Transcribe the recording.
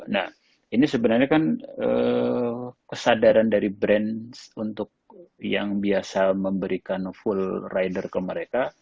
nah ini sebenarnya kan kesadaran dari brand untuk yang biasa memberikan full rider ke mereka